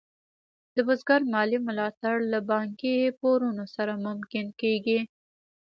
د بزګر مالي ملاتړ له بانکي پورونو سره ممکن کېږي.